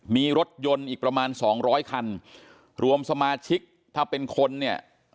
มีรถยนต์อีกประมาณสองร้อยคันรวมสมาชิกถ้าเป็นคนเนี่ย